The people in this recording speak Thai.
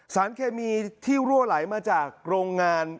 สารเคมีที่รั่วไหลมาจากโรงงาน